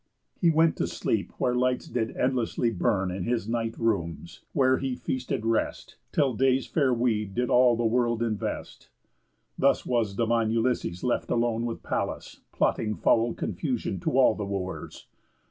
He went to sleep where lights did endlessly Burn in his night rooms; where he feasted rest, Till day's fair weed did all the world invest. Thus was divine Ulysses left alone With Pallas, plotting foul confusion To all the Wooers.